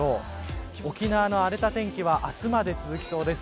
沖縄の荒れた天気は明日まで続きそうです。